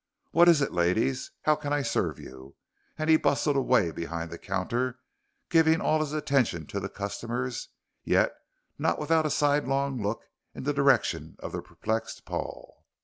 What is it, ladies? How can I serve you?" And he bustled away behind the counter, giving all his attention to the customers, yet not without a sidelong look in the direction of the perplexed Paul.